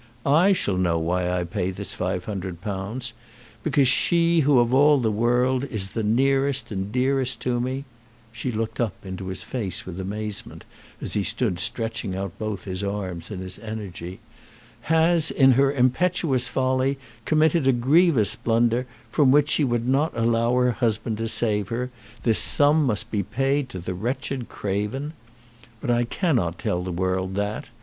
I shall know why I pay this £500. Because she who of all the world is the nearest and the dearest to me," she looked up into his face with amazement, as he stood stretching out both his arms in his energy, "has in her impetuous folly committed a grievous blunder, from which she would not allow her husband to save her, this sum must be paid to the wretched craven. But I cannot tell the world that.